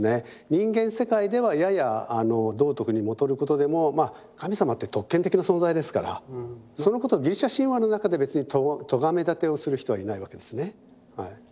人間世界ではやや道徳にもとることでも神様って特権的な存在ですからそのことをギリシャ神話の中で別にとがめだてをする人はいないわけですね。